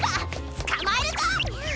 つかまえるぞ！